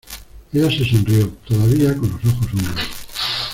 ella se sonrió, todavía con los ojos húmedos: